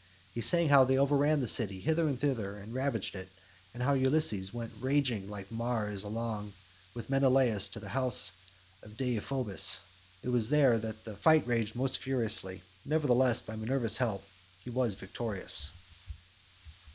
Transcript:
He sang how they overran the city hither and thither and ravaged it, and how Ulysses went raging like Mars along with Menelaus to the house of Deiphobus. It was there that the fight raged most furiously, nevertheless by Minerva's help he was victorious.